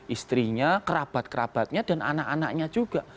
istrinya kerabat kerabatnya dan anak anaknya juga